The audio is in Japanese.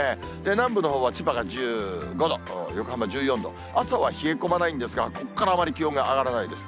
南部のほうは千葉が１５度、横浜１４度、朝は冷え込まないんですが、ここからあまり気温が上がらないです。